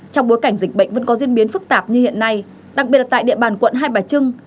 nhưng có diễn biến phức tạp như hiện nay đặc biệt là tại địa bàn quận hai bà trưng